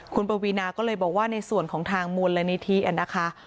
คุณปวีนาก็เลยบอกว่าในส่วนของทางมูลนิธินะคะ